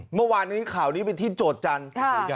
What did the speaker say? เมื่อวานนี้ข่าวนี้เป็นที่โจทย์จันทร์